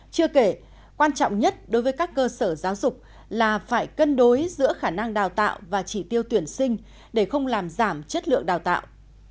chưa kể quan trọng nhất đối với các cơ sở giáo dục là phải cân đối giữa khả năng đào tạo và chỉ tiêu tuyển sinh để không làm giảm chất lượng đào tạo